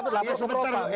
itu laporan kekurangan